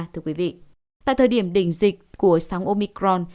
tại thời điểm đỉnh dịch của sóng omicron